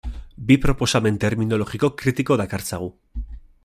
Bi proposamen terminologiko kritiko dakartzagu.